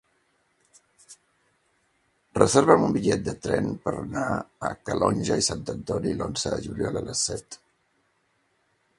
Reserva'm un bitllet de tren per anar a Calonge i Sant Antoni l'onze de juliol a les set.